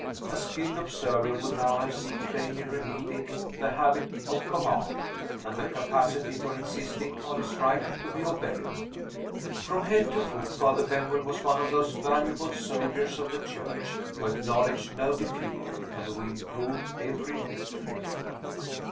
A skilled observer would now have seen plainly revealed in him the habit of command, and the capacity for insisting on his right to be obeyed. From head to foot, Father Benwell was one of those valuable soldiers of the Church who acknowledge no defeat, and who improve every victory.